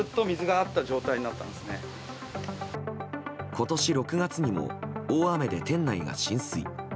今年６月にも大雨で店内が浸水。